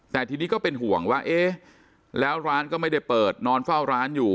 แต่ทีนี้ก็เป็นห่วงว่าเอ๊ะแล้วร้านก็ไม่ได้เปิดนอนเฝ้าร้านอยู่